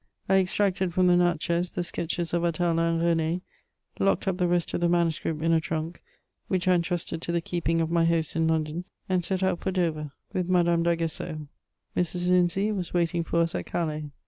I extracted from the Natchez the sketches of Atala and RenSy locked up the rest of the manu script in a trunk, whieh I entrusted to the keeping of my hosts in London, and set out for Dover with Madame d*Agues seau : Mrs. Lindsay was waiting for us at Calais.